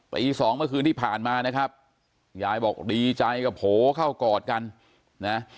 ตีสองเมื่อคืนที่ผ่านมานะครับยายบอกดีใจก็โผล่เข้ากอดกันนะ